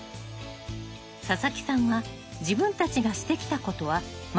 佐々木さんは自分たちがしてきたことは間違いだったと確信。